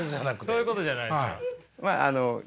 そういうことじゃないですか。